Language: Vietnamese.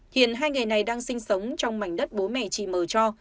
hiện hai người này đang sinh sống trong mảnh đất bố mẹ chị mờ cho